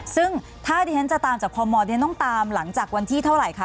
ซึ่งถ้าดิฉันจะตามจากพมดิฉันต้องตามหลังจากวันที่เท่าไหร่คะ